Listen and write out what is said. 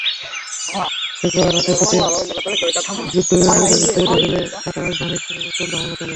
শুক্রবার রাতে জোটের যুদ্ধবিমানগুলো বিদ্রোহীদের দখলে থাকা রাজধানী সানায় প্রচণ্ড হামলা চালায়।